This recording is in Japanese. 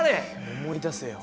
思い出せよ。